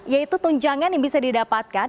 yaitu tunjangan yang bisa didapatkan